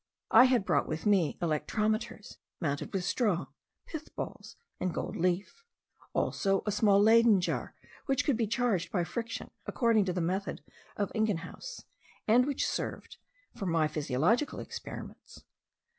I had brought with me electrometers mounted with straw, pith balls, and gold leaf; also a small Leyden jar which could be charged by friction according to the method of Ingenhousz, and which served for my physiological experiments.